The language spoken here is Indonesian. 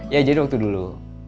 ya jadi waktu dulu